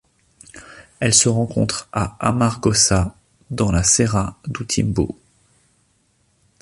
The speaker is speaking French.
Elle se rencontre à Amargosa dans la Serra do Timbó.